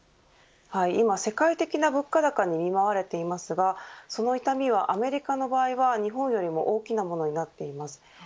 今、世界的な物価高に見舞われていますがその痛みは、アメリカの場合は日本よりも大きなものになっています。